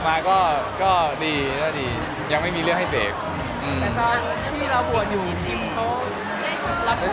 มีว่าพี่พี่เราอวดอยู่ที่โทษ